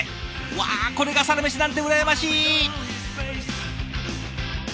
わあこれがサラメシなんて羨ましい！